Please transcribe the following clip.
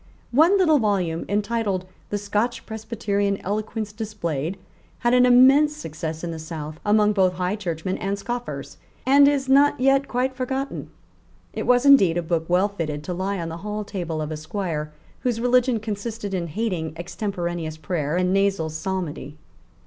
One little volume, entitled The Scotch Presbyterian Eloquence Displayed, had an immense success in the South among both High Churchmen and scoffers, and is not yet quite forgotten. It was indeed a book well fitted to lie on the hall table of a Squire whose religion consisted in hating extemporaneous prayer and nasal psalmody.